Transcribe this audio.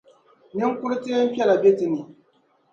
Niŋkur’ teempiɛla be ti ni.